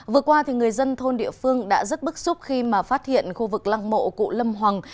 vừa qua người dân thôn địa phương đã rất bức xúc khi mà phát hiện khu vực lăng mộ cụ lâm hoàng